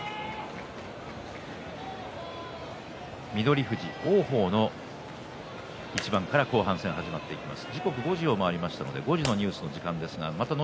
翠富士、王鵬の一番から後半戦が始まります。